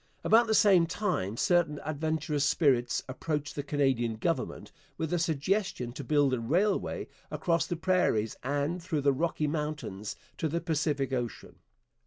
About the same time certain adventurous spirits approached the Canadian Government with a suggestion to build a railway across the prairies and through the Rocky mountains to the Pacific ocean.